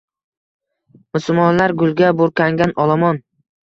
Musulmonlar, gulga burkangan olomon